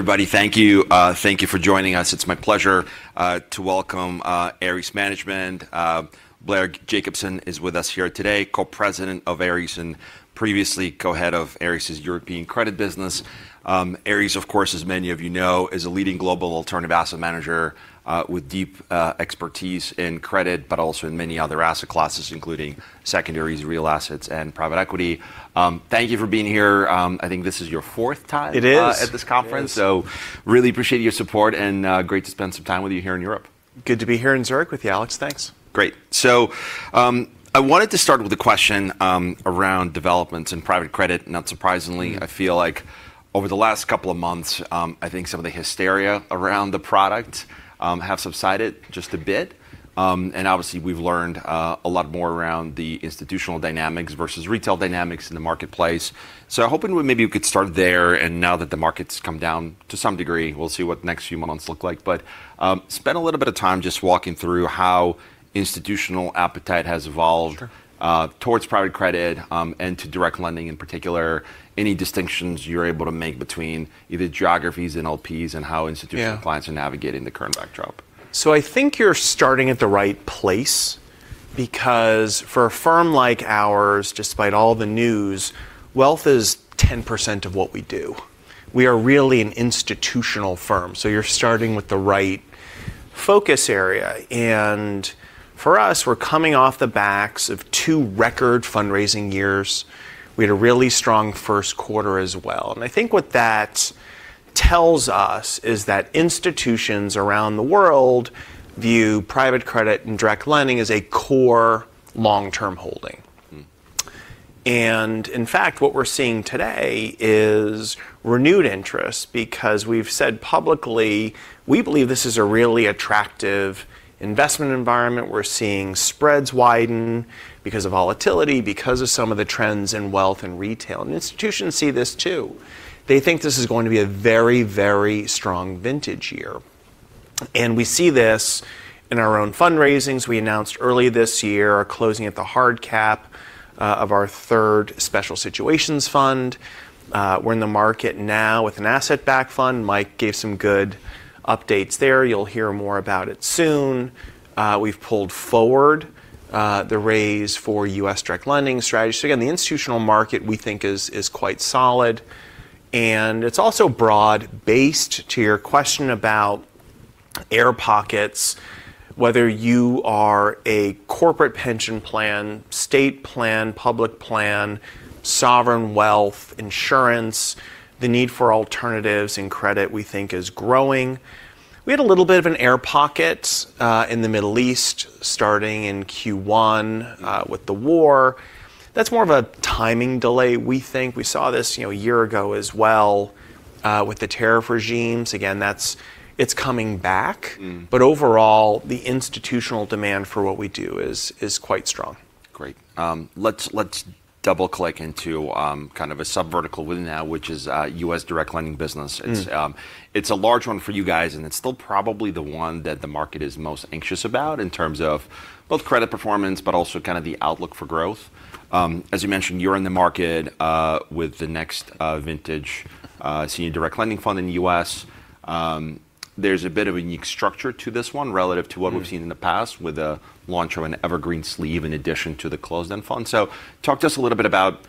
Everybody, thank you. Thank you for joining us. It's my pleasure to welcome Ares Management. Blair Jacobson is with us here today, Co-President of Ares and previously co-head of Ares' European credit business. Ares, of course, as many of you know, is a leading global alternative asset manager, with deep expertise in credit, but also in many other asset classes, including secondaries, real assets, and private equity. Thank you for being here. I think this is your fourth time. It is. At this conference. It is. Really appreciate your support and great to spend some time with you here in Europe. Good to be here in Zurich with you, Alex. Thanks. Great. I wanted to start with a question around developments in private credit. I feel like over the last couple of months, I think some of the hysteria around the product have subsided just a bit. Obviously, we've learned a lot more around the institutional dynamics versus retail dynamics in the marketplace. Hoping maybe we could start there. Now that the market's come down to some degree, we'll see what the next few months look like. Spend a little bit of time just walking through how institutional appetite has evolved towards private credit, and to direct lending in particular, any distinctions you're able to make between either geographies and LPs and how institutional- Yeah. Clients are navigating the current backdrop. I think you're starting at the right place because for a firm like ours, despite all the news, wealth is 10% of what we do. We are really an institutional firm, so you're starting with the right focus area. For us, we're coming off the backs of two record fundraising years. We had a really strong Q1 as well. I think what that tells us is that institutions around the world view private credit and direct lending as a core long-term holding. In fact, what we're seeing today is renewed interest because we've said publicly we believe this is a really attractive investment environment. We're seeing spreads widen because of volatility, because of some of the trends in wealth and retail, and institutions see this, too. They think this is going to be a very, very strong vintage year. We see this in our own fundraisings. We announced earlier this year our closing at the hard cap of our third special situations fund. We're in the market now with an asset-backed fund. Mike gave some good updates there. You'll hear more about it soon. We've pulled forward the raise for U.S. direct lending strategy. Again, the institutional market, we think, is quite solid, and it's also broad-based. To your question about air pockets, whether you are a corporate pension plan, state plan, public plan, sovereign wealth, insurance, the need for alternatives in credit, we think, is growing. We had a little bit of an air pocket in the Middle East starting in Q1 with the war. That's more of a timing delay, we think. We saw this a year ago as well with the tariff regimes. Again, it's coming back. Overall, the institutional demand for what we do is quite strong. Great. Let's double-click into kind of a sub-vertical within that, which is U.S. direct lending business. It's a large one for you guys, and it's still probably the one that the market is most anxious about in terms of both credit performance, but also kind of the outlook for growth. As you mentioned, you're in the market with the next vintage senior direct lending fund in the U.S. There's a bit of a unique structure to this one relative to what We've seen in the past with the launch of an evergreen sleeve in addition to the closed-end fund. Talk to us a little bit about,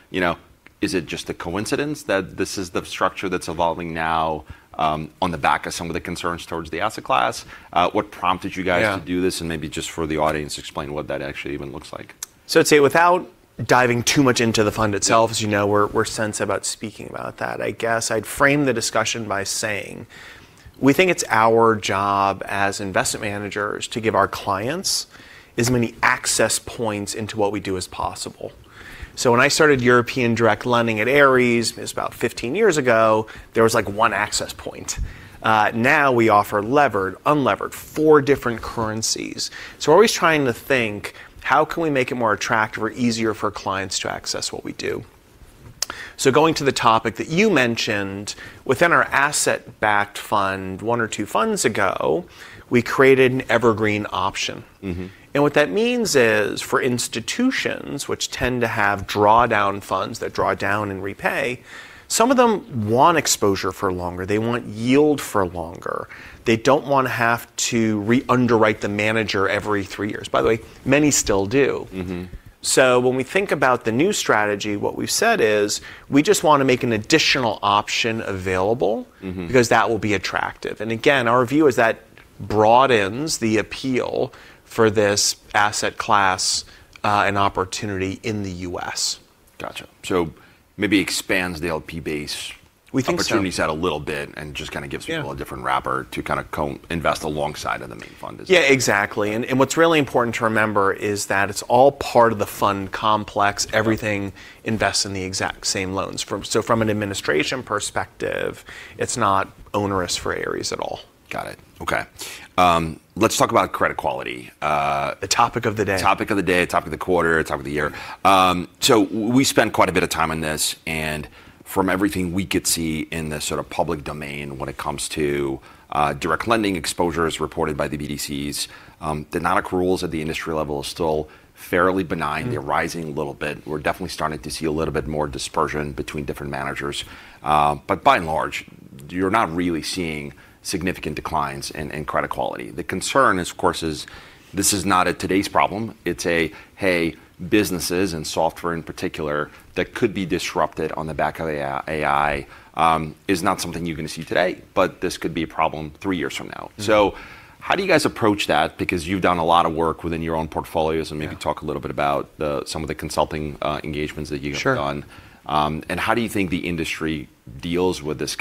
is it just a coincidence that this is the structure that's evolving now on the back of some of the concerns towards the asset class? What prompted you guys? Yeah. To do this? Maybe just for the audience, explain what that actually even looks like. I'd say without diving too much into the fund itself, as you know, we're sensitive about speaking about that. I guess I'd frame the discussion by saying we think it's our job as investment managers to give our clients as many access points into what we do as possible. When I started European direct lending at Ares, it was about 15 years ago, there was one access point. Now we offer levered, unlevered, four different currencies. We're always trying to think, how can we make it more attractive or easier for clients to access what we do? Going to the topic that you mentioned, within our asset-backed fund one or two funds ago, we created an evergreen option. What that means is, for institutions, which tend to have drawdown funds that draw down and repay, some of them want exposure for longer. They want yield for longer. They don't want to have to re-underwrite the manager every three years. By the way, many still do. When we think about the new strategy, what we've said is we just want to make an additional option available, because that will be attractive. Again, our view is that broadens the appeal for this asset class and opportunity in the U.S. Gotcha. Maybe expands the LP base. We think so. Opportunities out a little bit and just kind of gives people- Yeah. A different wrapper to kind of co-invest alongside of the main fund as it is. Yeah, exactly. What's really important to remember is that it's all part of the fund complex, everything invests in the exact same loans. From an administration perspective, it's not onerous for Ares at all. Got it. Okay. Let's talk about credit quality. A topic of the day. Topic of the day, topic of the quarter, topic of the year. We spent quite a bit of time on this, and from everything we could see in the sort of public domain when it comes to direct lending exposures reported by the BDCs, the non-accruals at the industry level are still fairly benign. They're rising a little bit. We're definitely starting to see a little bit more dispersion between different managers. By and large, you're not really seeing significant declines in credit quality. The concern is, of course, is this is not a today's problem. It's a, hey, businesses, and software in particular, that could be disrupted on the back of AI is not something you're going to see today, but this could be a problem three years from now. How do you guys approach that because you've done a lot of work within your own portfolios? Maybe talk a little bit about some of the consulting engagements that you have done. Sure. How do you think the industry deals with this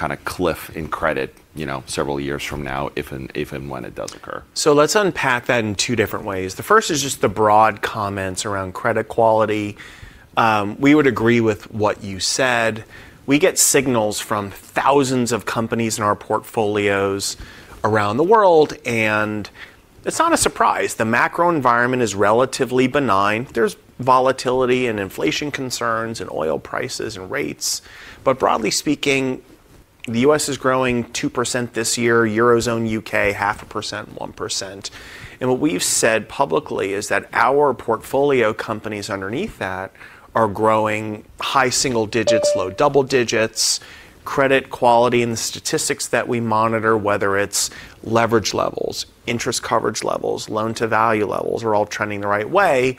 kind of cliff in credit several years from now, if and when it does occur? Let's unpack that in two different ways. The first is just the broad comments around credit quality. We would agree with what you said. We get signals from thousands of companies in our portfolios around the world, and it's not a surprise. The macro environment is relatively benign. There's volatility and inflation concerns and oil prices and rates. Broadly speaking, the U.S. is growing 2% this year. Eurozone, U.K., 0.5%, 1%. What we've said publicly is that our portfolio companies underneath that are growing high single digits, low double digits. Credit quality and the statistics that we monitor, whether it's leverage levels, interest coverage levels, loan-to-value levels, are all trending the right way.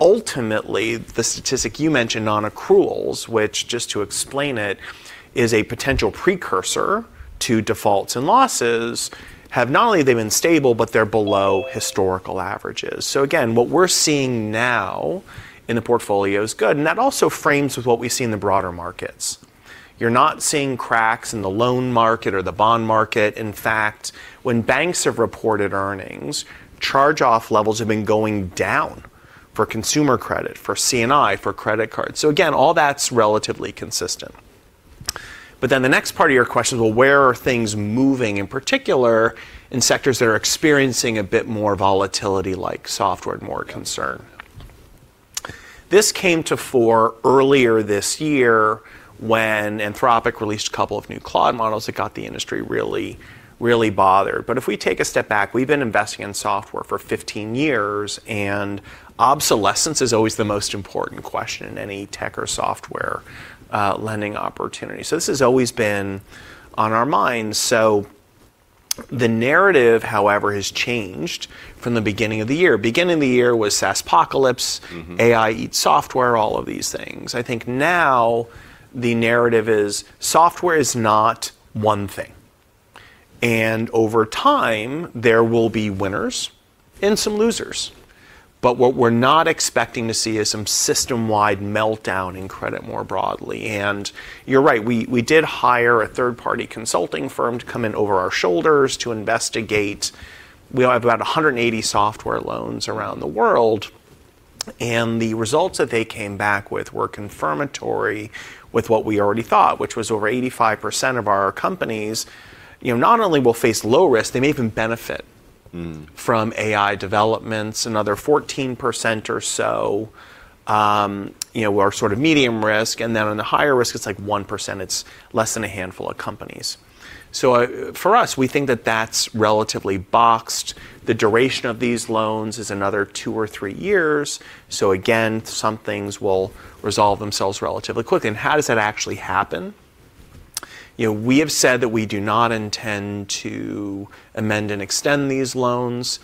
Ultimately, the statistic you mentioned on accruals, which just to explain it, is a potential precursor to defaults and losses, have not only they been stable, but they're below historical averages. Again, what we're seeing now in the portfolio is good, and that also frames with what we see in the broader markets. You're not seeing cracks in the loan market or the bond market. In fact, when banks have reported earnings, charge-off levels have been going down for consumer credit, for C&I, for credit cards. Again, all that's relatively consistent. The next part of your question is, well, where are things moving, in particular in sectors that are experiencing a bit more volatility like software and more concern? This came to fore earlier this year when Anthropic released a couple of new Claude models that got the industry really bothered. If we take a step back, we've been investing in software for 15 years, and obsolescence is always the most important question in any tech or software lending opportunity. This has always been on our minds. The narrative, however, has changed from the beginning of the year. Beginning of the year was SaaSpocalypse. AI eats software, all of these things. I think now the narrative is software is not one thing. Over time there will be winners and some losers. What we're not expecting to see is some system-wide meltdown in credit more broadly. You're right, we did hire a third-party consulting firm to come in over our shoulders to investigate. We have about 180 software loans around the world, and the results that they came back with were confirmatory with what we already thought, which was over 85% of our companies not only will face low risk, they may even benefit from AI developments. Another 14% or so are sort of medium risk, In the higher risk it's like 1%. It's less than a handful of companies. For us, we think that that's relatively boxed. The duration of these loans is another two or three years. Again, some things will resolve themselves relatively quickly. How does that actually happen? We have said that we do not intend to amend and extend these loans.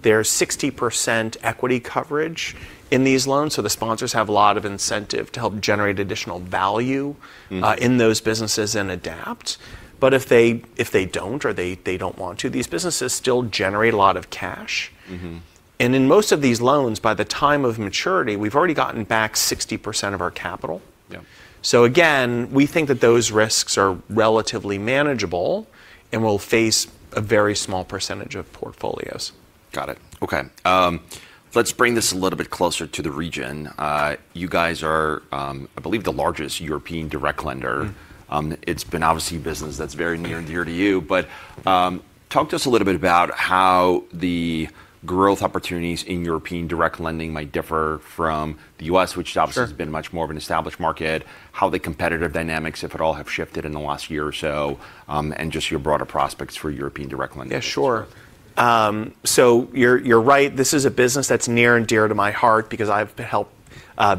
There's 60% equity coverage in these loans, the sponsors have a lot of incentive to help generate additional value in those businesses and adapt. If they don't or they don't want to, these businesses still generate a lot of cash. In most of these loans, by the time of maturity, we've already gotten back 60% of our capital. Yeah. Again, we think that those risks are relatively manageable and will face a very small percentage of portfolios. Got it. Okay. Let's bring this a little bit closer to the region. You guys are, I believe, the largest European direct lender. It's been obviously business that's very near and dear to you. Talk to us a little bit about how the growth opportunities in European direct lending might differ from the U.S. Sure. Has been much more of an established market, how the competitive dynamics, if at all, have shifted in the last year or so, and just your broader prospects for European direct lending. Yeah, sure. You're right, this is a business that's near and dear to my heart because I've helped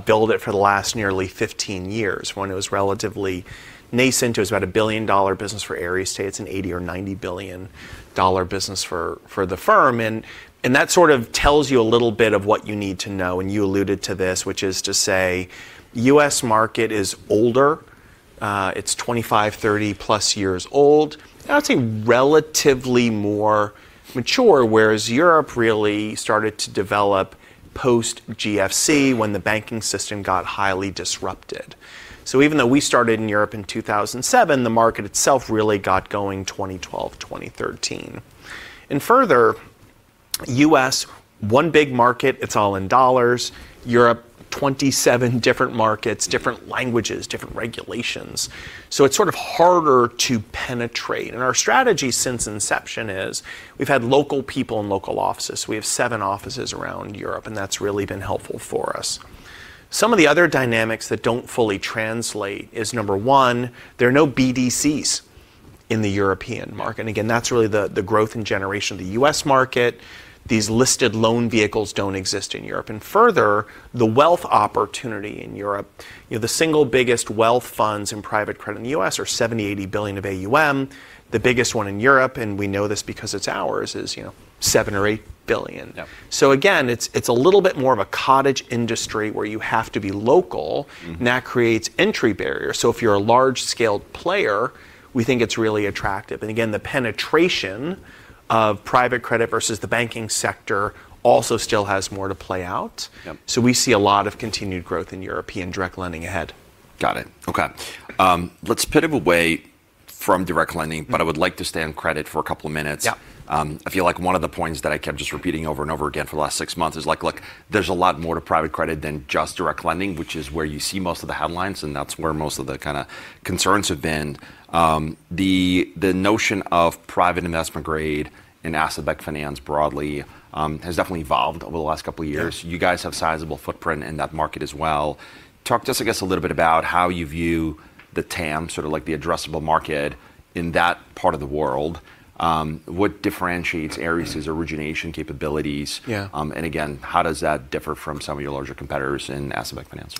build it for the last nearly 15 years when it was relatively nascent. It was about $1 billion business for Ares today. It's an $80 or $90 billion business for the firm. That sort of tells you a little bit of what you need to know, and you alluded to this, which is to say U.S. market is older. It's 25, 30+ years old, and I'd say relatively more mature, whereas Europe really started to develop post-GFC when the banking system got highly disrupted. Even though we started in Europe in 2007, the market itself really got going 2012, 2013. Further, U.S., one big market, it's all in dollars. Europe, 27 different markets, different languages, different regulations. It's sort of harder to penetrate. Our strategy since inception is we've had local people and local offices. We have seven offices around Europe, and that's really been helpful for us. Some of the other dynamics that don't fully translate is, number one, there are no BDCs in the European market. Again, that's really the growth and generation of the U.S. market. These listed loan vehicles don't exist in Europe, and further, the wealth opportunity in Europe, the single biggest wealth funds in private credit in the U.S. are $70 billion, $80 billion of AUM. The biggest one in Europe, and we know this because it's ours, is $7 billion or $8 billion. Yeah. Again, it's a little bit more of a cottage industry where you have to be local that creates entry barriers. If you're a large-scale player, we think it's really attractive. Again, the penetration of private credit versus the banking sector also still has more to play out. Yep. We see a lot of continued growth in European direct lending ahead. Got it. Okay. Let's pivot away from direct lending. I would like to stay on credit for a couple of minutes. Yeah. I feel like one of the points that I kept just repeating over and over again for the last six months is look, there's a lot more to private credit than just direct lending, which is where you see most of the headlines, and that's where most of the kind of concerns have been. The notion of private investment grade and asset-backed finance broadly has definitely evolved over the last couple of years. You guys have a sizable footprint in that market as well. Talk to us, I guess, a little bit about how you view the TAM, sort of the addressable market, in that part of the world. What differentiates Ares' origination capabilities. Yeah. How does that differ from some of your larger competitors in asset-backed finance?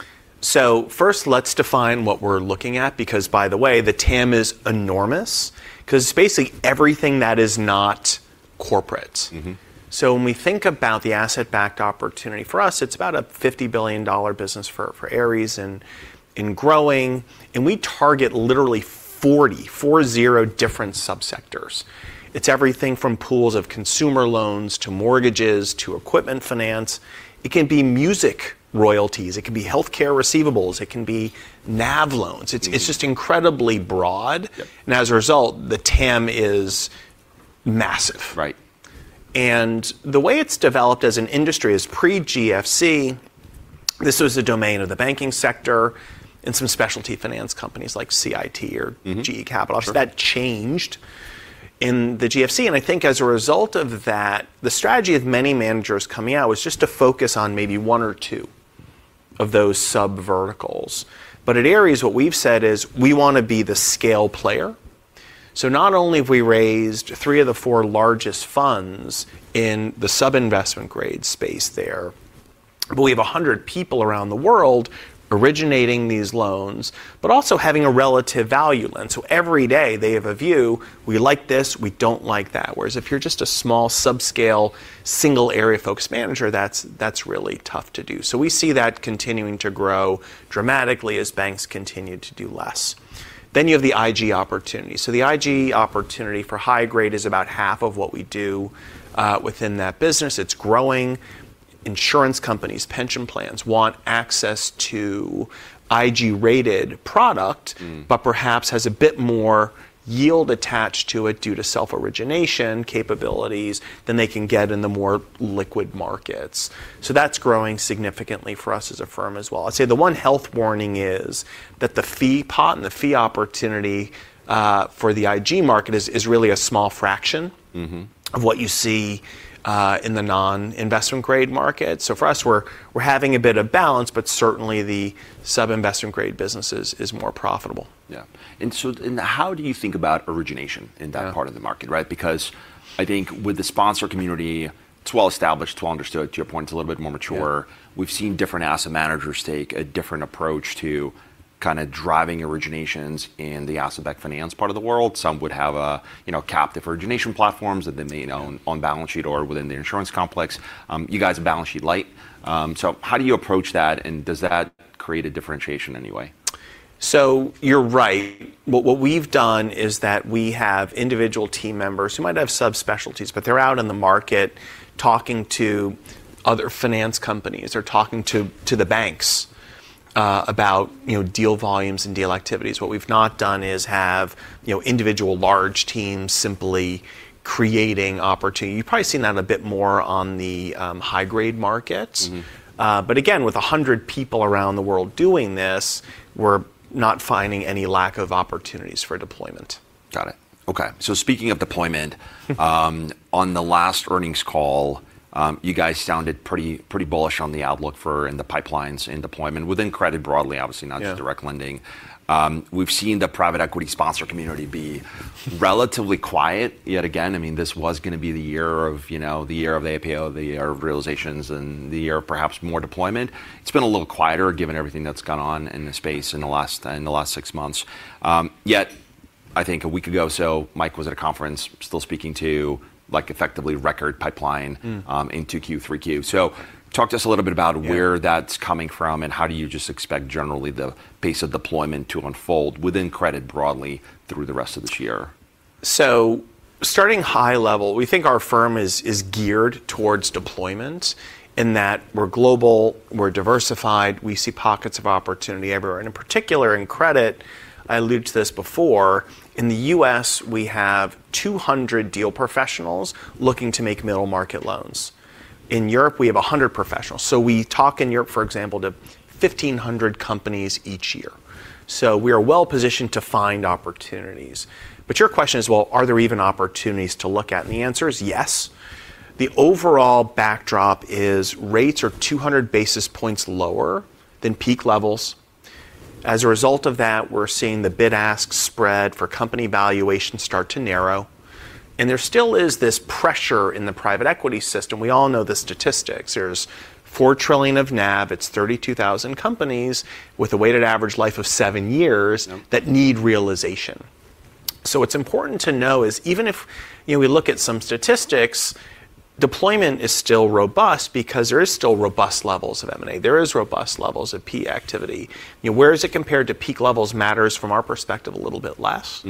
First, let's define what we're looking at because, by the way, the TAM is enormous, because it's basically everything that is not corporate. When we think about the asset-backed opportunity, for us, it's about a $50 billion business for Ares and growing, and we target literally 40, four zero, different sub-sectors. It's everything from pools of consumer loans to mortgages, to equipment finance. It can be music royalties, it can be healthcare receivables, it can be NAV loans. It's just incredibly broad. Yep. As a result, the TAM is massive. Right. The way it's developed as an industry is pre-GFC, this was the domain of the banking sector and some specialty finance companies like CIT. GE Capital. Sure. That changed in the GFC, and I think as a result of that, the strategy of many managers coming out was just to focus on maybe one or two of those sub-verticals. At Ares, what we've said is we want to be the scale player. Not only have we raised three of the four largest funds in the sub-investment grade space there, but we have 100 people around the world originating these loans, but also having a relative value lens. Every day, they have a view, we like this, we don't like that. Whereas if you're just a small sub-scale, single area-focused manager, that's really tough to do. We see that continuing to grow dramatically as banks continue to do less. You have the IG opportunity. The IG opportunity for high grade is about half of what we do within that business. It's growing. Insurance companies, pension plans want access to IG-rated product. Perhaps has a bit more yield attached to it due to self-origination capabilities than they can get in the more liquid markets. That's growing significantly for us as a firm as well. I'd say the one health warning is that the fee pot and the fee opportunity for the IG market is really a small fraction. Of what you see in the non-investment grade market. For us, we're having a bit of balance, but certainly the sub-investment grade business is more profitable. Yeah. How do you think about origination in that part of the market, right? I think with the sponsor community, it's well-established, it's well understood. To your point, it's a little bit more mature. Yeah. We've seen different asset managers take a different approach to kind of driving originations in the asset-backed finance part of the world. Some would have captive origination platforms that they may own on balance sheet or within their insurance complex. You guys are balance sheet light. How do you approach that, and does that create a differentiation in any way? You're right. What we've done is that we have individual team members who might have sub-specialties, but they're out in the market talking to other finance companies or talking to the banks about deal volumes and deal activities. What we've not done is have individual large teams simply creating opportunity. You've probably seen that a bit more on the high-grade markets. Again, with 100 people around the world doing this, we're not finding any lack of opportunities for deployment. Got it. Okay. Speaking of deployment, on the last earnings call, you guys sounded pretty bullish on the outlook for, and the pipelines and deployment within credit broadly, obviously. Yeah. Not just direct lending. We've seen the private equity sponsor community relatively quiet yet again. This was going to be the year of the IPO, the year of realizations, and the year of perhaps more deployment. It's been a little quieter given everything that's gone on in the space in the last six months. Yet I think a week ago or so, Mike was at a conference still speaking to effectively record pipeline into Q3, Q4. Talk to us a little bit about where. That's coming from. How do you just expect generally the pace of deployment to unfold within credit broadly through the rest of this year? Starting high level, we think our firm is geared towards deployment in that we're global, we're diversified, we see pockets of opportunity everywhere. In particular in credit, I alluded to this before, in the U.S., we have 200 deal professionals looking to make middle market loans. In Europe, we have 100 professionals. We talk in Europe, for example, to 1,500 companies each year. We are well-positioned to find opportunities. Your question is, well, are there even opportunities to look at? The answer is yes. The overall backdrop is rates are 200 basis points lower than peak levels. As a result of that, we're seeing the bid-ask spread for company valuation start to narrow, and there still is this pressure in the private equity system. We all know the statistics. There's $4 trillion of NAV, it's 32,000 companies with a weighted average life of seven years- Yep. That need realization. What's important to know is even if we look at some statistics, deployment is still robust because there is still robust levels of M&A. There is robust levels of PE activity. Where is it compared to peak levels matters from our perspective a little bit less.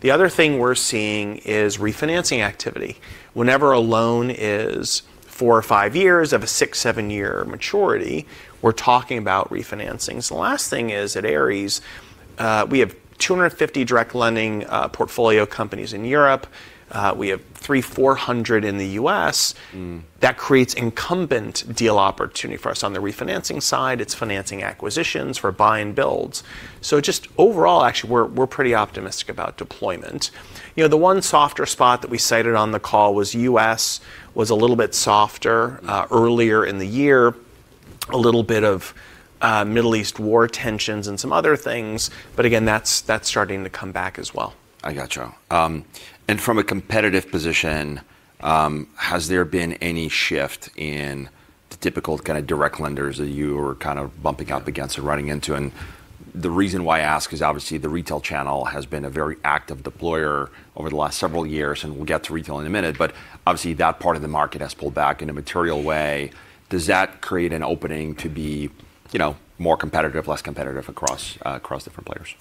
The other thing we're seeing is refinancing activity. Whenever a loan is four or five years of a six, seven-year maturity, we're talking about refinancings. The last thing is, at Ares, we have 250 direct lending portfolio companies in Europe. We have 300, 400 in the U.S. That creates incumbent deal opportunity for us. On the refinancing side, it's financing acquisitions for buy and builds. Just overall, actually, we're pretty optimistic about deployment. The one softer spot that we cited on the call was U.S. was a little bit softer earlier in the year, a little bit of Middle East war tensions and some other things. Again, that's starting to come back as well. I got you. From a competitive position, has there been any shift in the typical kind of direct lenders that you are kind of bumping up against or running into? The reason why I ask is obviously the retail channel has been a very active deployer over the last several years, and we'll get to retail in a minute, but obviously that part of the market has pulled back in a material way. Does that create an opening to be more competitive, less competitive across different players?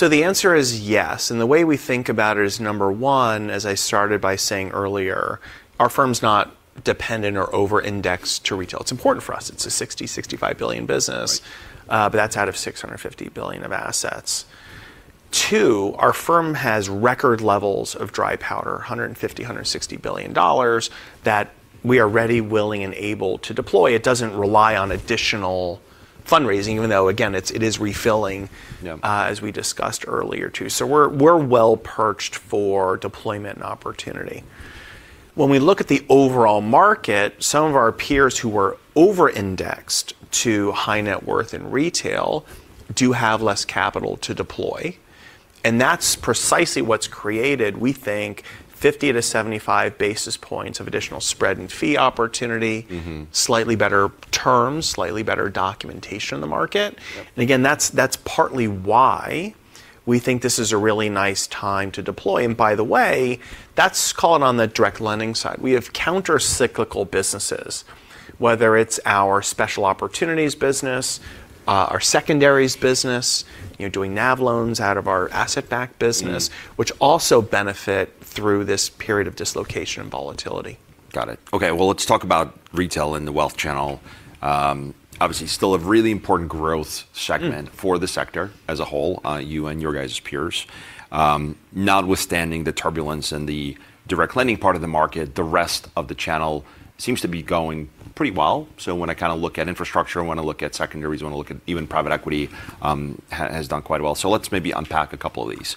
The answer is yes, and the way we think about it is, number one, as I started by saying earlier, our firm's not dependent or over-indexed to retail. It's important for us. It's a $60 billion, $65 billion business. That's out of $650 billion of assets. Two, our firm has record levels of dry powder, $150 billion, $160 billion that we are ready, willing, and able to deploy. It doesn't rely on additional fundraising, even though, again, it is refilling- Yeah. As we discussed earlier, too. We're well-perched for deployment and opportunity. When we look at the overall market, some of our peers who were over-indexed to high net worth in retail do have less capital to deploy, and that's precisely what's created, we think, 50 to 75 basis points of additional spread and fee opportunity slightly better terms, slightly better documentation in the market. Yep. Again, that's partly why we think this is a really nice time to deploy. By the way, that's called on the direct lending side. We have counter-cyclical businesses, whether it's our special opportunities business, our secondaries business, doing NAV loans out of our asset-backed business which also benefit through this period of dislocation and volatility. Got it. Okay. Well, let's talk about retail and the wealth channel. Obviously still a really important growth segment for the sector as a whole, you and your guys' peers. Notwithstanding the turbulence in the direct lending part of the market, the rest of the channel seems to be going pretty well. When I look at infrastructure, when I look at secondaries, when I look at even private equity, has done quite well. Let's maybe unpack a couple of these.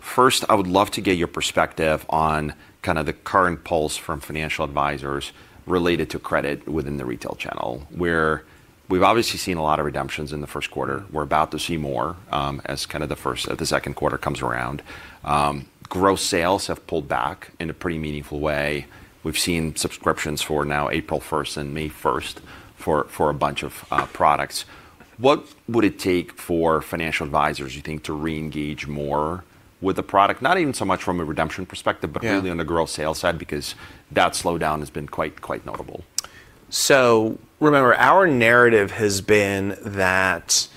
First, I would love to get your perspective on kind of the current pulse from financial advisors related to credit within the retail channel, where we've obviously seen a lot of redemptions in the Q1. We're about to see more as the Q2 comes around. Gross sales have pulled back in a pretty meaningful way. We've seen subscriptions for now April 1st and May 1st for a bunch of products. What would it take for financial advisors, do you think, to reengage more with the product? Not even so much from a redemption perspective. Yeah. Really on the gross sales side, because that slowdown has been quite notable. Remember, our narrative has been that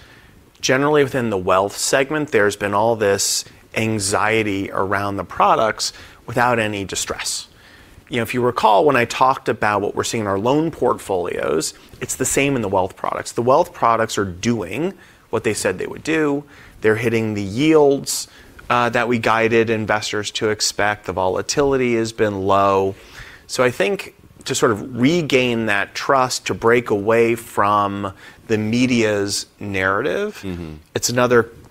generally within the wealth segment, there's been all this anxiety around the products without any distress. If you recall, when I talked about what we're seeing in our loan portfolios, it's the same in the wealth products. The wealth products are doing what they said they would do. They're hitting the yields that we guided investors to expect. The volatility has been low. I think to sort of regain that trust, to break away from the media's narrative. It's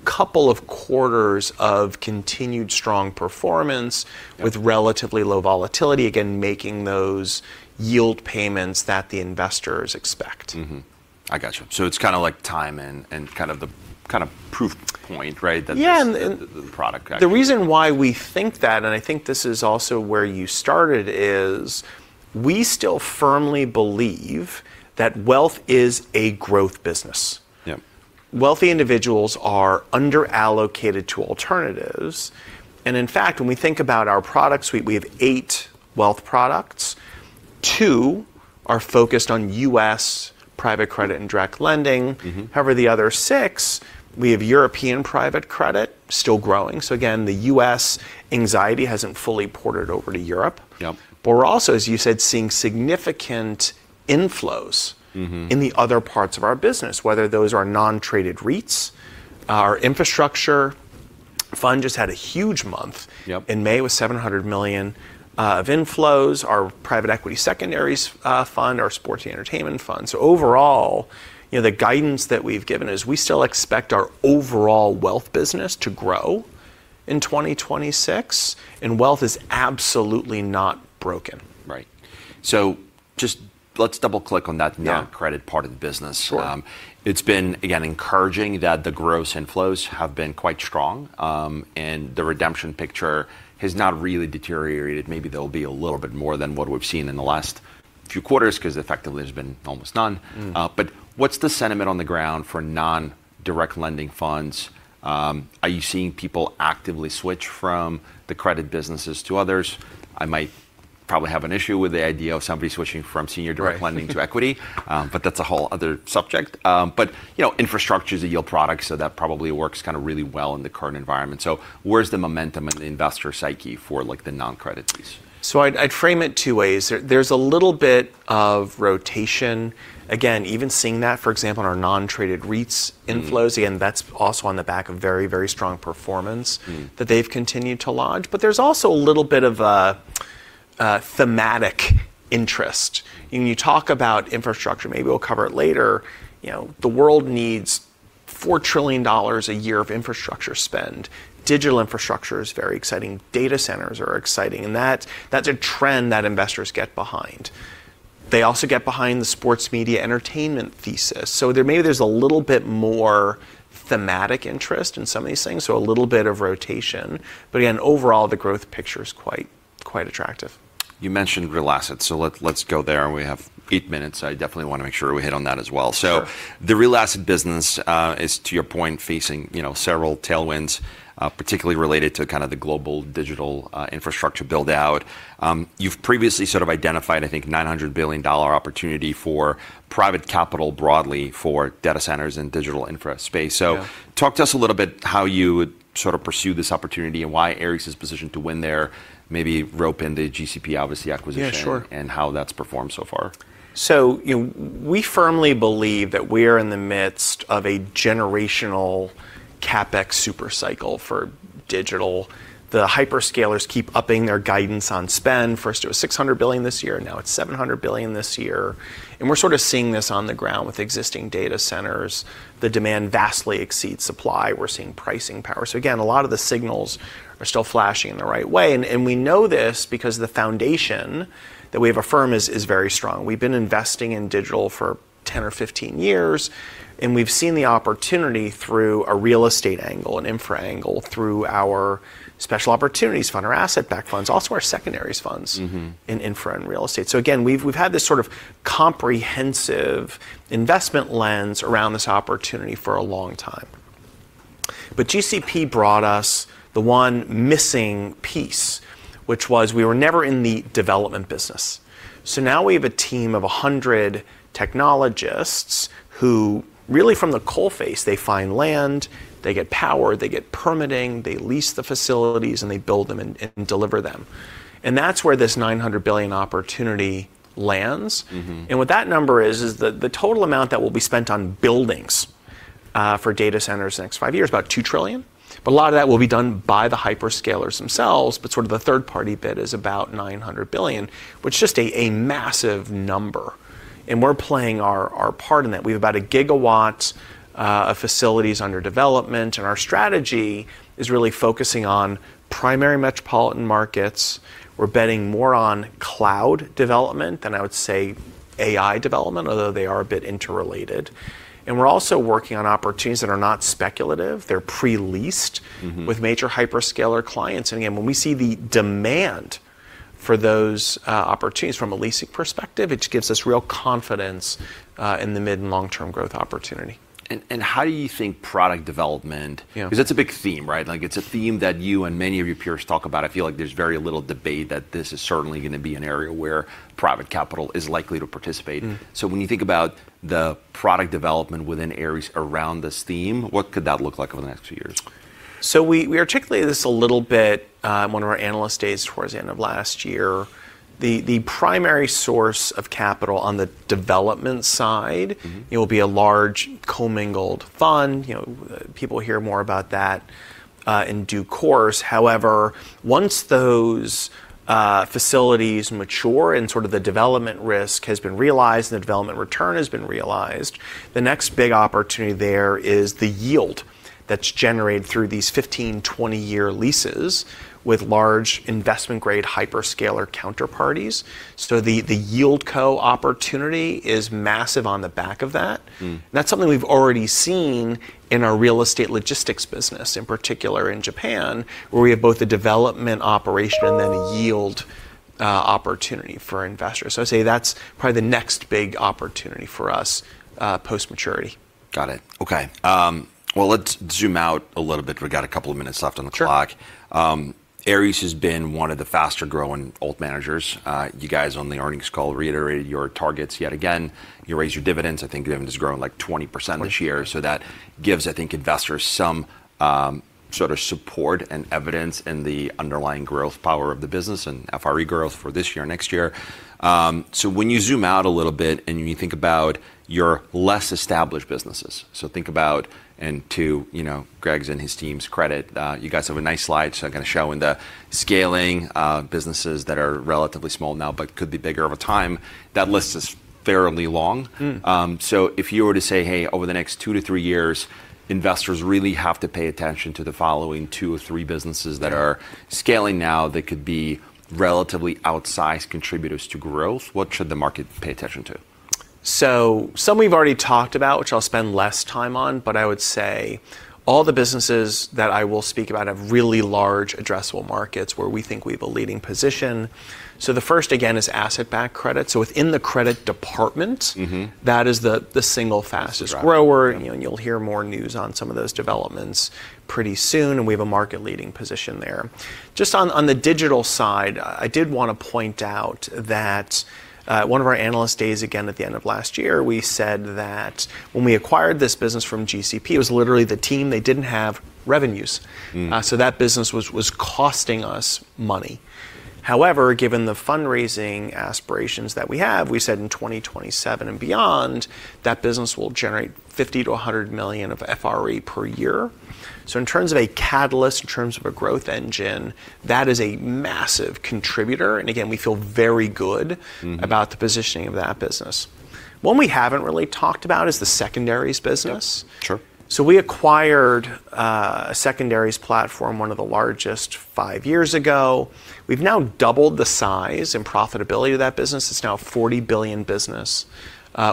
another couple of quarters of continued strong performance. Yeah. With relatively low volatility, again, making those yield payments that the investors expect. Mm-hmm. I got you. It's kind of like time and kind of the proof point, right? Yeah. The product, got you. The reason why we think that, and I think this is also where you started, is we still firmly believe that wealth is a growth business. Yep. Wealthy individuals are under-allocated to alternatives, and in fact, when we think about our products, we have eight wealth products. Two are focused on U.S. private credit and direct lending. The other six, we have European private credit still growing. Again, the U.S. anxiety hasn't fully ported over to Europe. Yep. We're also, as you said, seeing significant inflows in the other parts of our business, whether those are non-traded REITs. Our infrastructure fund just had a huge month. Yep. In May with $700 million of inflows. Our private equity secondaries fund, our sports and entertainment fund. Overall, the guidance that we've given is we still expect our overall wealth business to grow in 2026, and wealth is absolutely not broken. Right. Let's double click on that [inaudible] non-credit part of the business. Sure. It's been, again, encouraging that the gross inflows have been quite strong, and the redemption picture has not really deteriorated. Maybe there'll be a little bit more than what we've seen in the last few quarters because effectively there's been almost none. What's the sentiment on the ground for non-direct lending funds? Are you seeing people actively switch from the credit businesses to others? I might probably have an issue with the idea of somebody switching from senior direct lending to equity, but that's a whole other subject. Infrastructure's a yield product, so that probably works kind of really well in the current environment. Where's the momentum in the investor psyche for the non-credit piece? I'd frame it two ways. There's a little bit of rotation, again, even seeing that, for example, in our non-traded REITs inflows. That's also on the back of very strong performance. That they've continued to lodge. There's also a little bit of a thematic interest. When you talk about infrastructure, maybe we'll cover it later, the world needs $4 trillion a year of infrastructure spend. Digital infrastructure is very exciting. Data centers are exciting, and that's a trend that investors get behind. They also get behind the sports media entertainment thesis. Maybe there's a little bit more thematic interest in some of these things, so a little bit of rotation. Again, overall, the growth picture is quite attractive. You mentioned real assets, so let's go there, and we have eight minutes. I definitely want to make sure we hit on that as well. The real asset business is, to your point, facing several tailwinds, particularly related to kind of the global digital infrastructure build-out. You've previously sort of identified, I think, $900 billion opportunity for private capital broadly for data centers and digital infra space. Yeah. Talk to us a little bit how you would sort of pursue this opportunity and why Ares is positioned to win there, maybe rope in the GCP, obviously, acquisition. Yeah, sure. How that's performed so far. We firmly believe that we're in the midst of a generational CapEx super cycle for digital. The hyperscalers keep upping their guidance on spend. First it was $600 billion this year, now it's $700 billion this year, and we're sort of seeing this on the ground with existing data centers. The demand vastly exceeds supply. We're seeing pricing power. Again, a lot of the signals are still flashing in the right way, and we know this because the foundation that we have affirmed is very strong. We've been investing in digital for 10 or 15 years, and we've seen the opportunity through a real estate angle, an infra angle, through our special opportunities fund, our asset-backed funds, also our secondaries funds in infra and real estate. Again, we've had this sort of comprehensive investment lens around this opportunity for a long time. GCP brought us the one missing piece, which was we were never in the development business. Now we have a team of 100 technologists who really from the coal face, they find land, they get power, they get permitting, they lease the facilities, and they build them and deliver them. That's where this $900 billion opportunity lands. What that number is the total amount that will be spent on buildings for data centers in the next five years, about $2 trillion. A lot of that will be done by the hyperscalers themselves, but sort of the third-party bit is about $900 billion, which is just a massive number, and we're playing our part in that. We have about 1 GW of facilities under development, and our strategy is really focusing on primary metropolitan markets. We're betting more on cloud development than I would say AI development, although they are a bit interrelated. We're also working on opportunities that are not speculative. They're pre-leased with major hyperscaler clients. Again, when we see the demand for those opportunities from a leasing perspective, it just gives us real confidence in the mid and long-term growth opportunity. How do you think product development. Yeah. Because that's a big theme, right? Like it's a theme that you and many of your peers talk about. I feel like there's very little debate that this is certainly going to be an area where private capital is likely to participate. When you think about the product development within Ares around this theme, what could that look like over the next few years? We articulated this a little bit in one of our analyst days towards the end of last year. The primary source of capital on the development side, it will be a large commingled fund. People will hear more about that in due course. Once those facilities mature and sort of the development risk has been realized, and the development return has been realized, the next big opportunity there is the yield that's generated through these 15, 20-year leases with large investment-grade hyperscaler counterparties. The yieldCo opportunity is massive on the back of that. That's something we've already seen in our real estate logistics business, in particular in Japan, where we have both the development operation and then a yield opportunity for investors. I'd say that's probably the next big opportunity for us post maturity. Got it. Okay. Let's zoom out a little bit. We've got a couple of minutes left on the clock. Sure. Ares has been one of the faster-growing alt managers. You guys on the earnings call reiterated your targets yet again. You raised your dividends. I think the dividend is growing, like 20% this year, so that gives, I think, investors some sort of support and evidence in the underlying growth power of the business and FRE growth for this year, next year. When you zoom out a little bit and when you think about your less established businesses, think about, and to Greg's and his team's credit, you guys have a nice slide kind of showing the scaling businesses that are relatively small now, but could be bigger over time. That list is fairly long. If you were to say, hey, over the next two to three years, investors really have to pay attention to the following two or three businesses that are scaling now that could be relatively outsized contributors to growth, what should the market pay attention to? Some we've already talked about, which I'll spend less time on, but I would say all the businesses that I will speak about have really large addressable markets where we think we have a leading position. The first, again, is asset-backed credit. Within the credit department. That is the single fastest grower. Right. You'll hear more news on some of those developments pretty soon. We have a market-leading position there. Just on the digital side, I did want to point out that one of our analyst days, again, at the end of last year, we said that when we acquired this business from GCP, it was literally the team. They didn't have revenues. That business was costing us money. However, given the fundraising aspirations that we have, we said in 2027 and beyond, that business will generate $50 million to $100 million of FRE per year. In terms of a catalyst, in terms of a growth engine, that is a massive contributor, and again, we feel very good about the positioning of that business. One we haven't really talked about is the secondaries business. Yeah, sure. We acquired a secondaries platform, one of the largest, five years ago. We've now doubled the size and profitability of that business. It's now a $40 billion business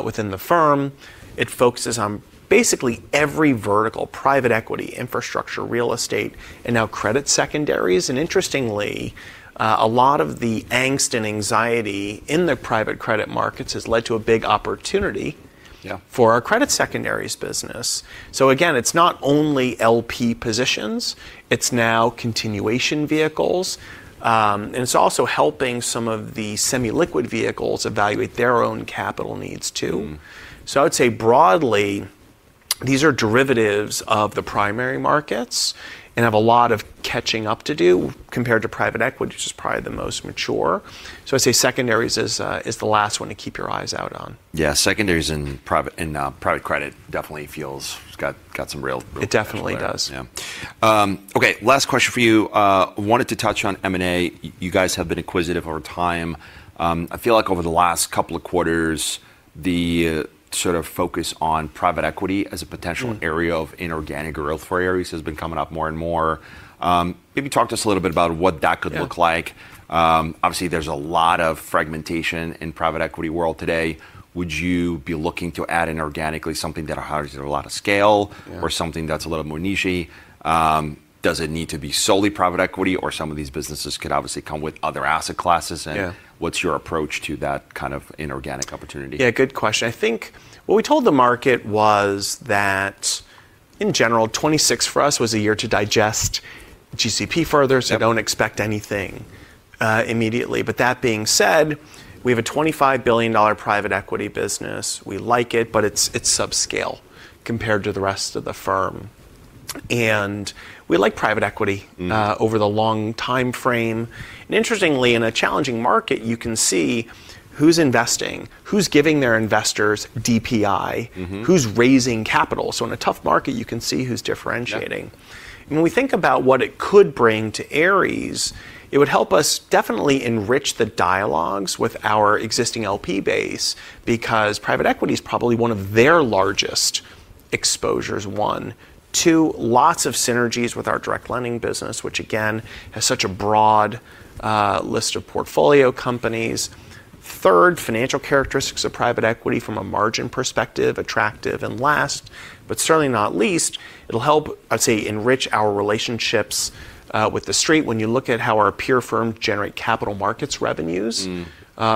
within the firm. It focuses on basically every vertical, private equity, infrastructure, real estate, and now credit secondaries. Interestingly, a lot of the angst and anxiety in the private credit markets has led to a big opportunity. Yeah. For our credit secondaries business. Again, it's not only LP positions, it's now continuation vehicles. It's also helping some of the semi-liquid vehicles evaluate their own capital needs, too. I would say broadly, these are derivatives of the primary markets and have a lot of catching up to do compared to private equity, which is probably the most mature. I'd say secondaries is the last one to keep your eyes out on. Yeah, secondaries in private credit definitely feels it's got some real potential there. It definitely does. Yeah. Okay, last question for you. I wanted to touch on M&A. You guys have been acquisitive over time. I feel like over the last couple of quarters, the sort of focus on private equity as a potential area of inorganic growth for Ares has been coming up more and more. Maybe talk to us a little bit about what that could look like. Yeah. Obviously, there's a lot of fragmentation in private equity world today. Would you be looking to add inorganically something that has a lot of scale? Yeah. Or something that's a little more nichey? Does it need to be solely private equity or some of these businesses could obviously come with other asset classes? Yeah. What's your approach to that kind of inorganic opportunity? Yeah, good question. I think what we told the market was that in general, 2026 for us was a year to digest GCP further don't expect anything immediately. That being said, we have a $25 billion private equity business. We like it, but it's subscale compared to the rest of the firm. We like private equity over the long timeframe. Interestingly, in a challenging market, you can see who's investing, who's giving their investors DPI. Who's raising capital. In a tough market, you can see who's differentiating. Yeah. When we think about what it could bring to Ares, it would help us definitely enrich the dialogues with our existing LP base because private equity is probably one of their largest exposures, one. Two, lots of synergies with our direct lending business, which again, has such a broad list of portfolio companies. Third, financial characteristics of private equity from a margin perspective, attractive. Last, but certainly not least, it'll help, I'd say, enrich our relationships with the Street when you look at how our peer firms generate capital markets revenues.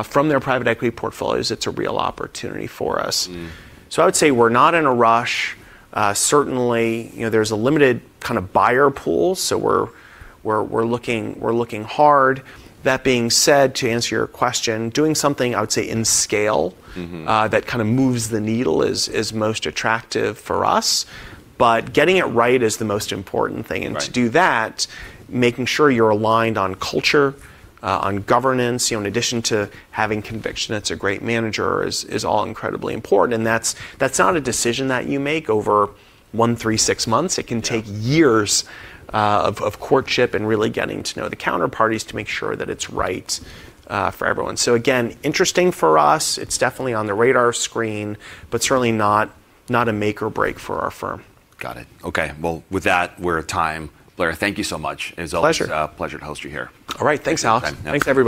From their private equity portfolios. It's a real opportunity for us. I would say we're not in a rush. Certainly, there's a limited kind of buyer pool, so we're looking hard. That being said, to answer your question, doing something, I would say, in scale that kind of moves the needle is most attractive for us. Getting it right is the most important thing. Right. To do that, making sure you're aligned on culture, on governance, in addition to having conviction it's a great manager, is all incredibly important. That's not a decision that you make over one, three, six months. It can take years of courtship and really getting to know the counterparties to make sure that it's right for everyone. Again, interesting for us. It's definitely on the radar screen, but certainly not a make or break for our firm. Got it. Okay, well, with that, we're at time. Blair, thank you so much. Pleasure. It is always a pleasure to host you here. All right. Thanks, Alex. Thanks for your time. Thanks, everybody.